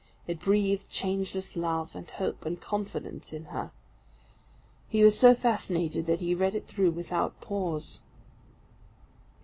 It breathed changeless love, and hope, and confidence in her. He was so fascinated that he read it through without pause.